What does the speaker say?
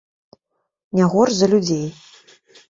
Не горш за людзей.